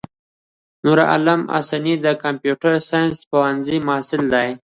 نورعالم حسیني دکمپیوټر ساینس پوهنځی محصل ده.